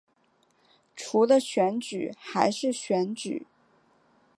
除了选举还是选举